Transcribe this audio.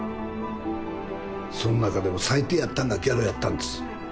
そん中でも最低やったんがギャロやったんです。